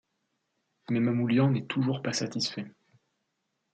Mais Mamoulian n’est toujours pas satisfait.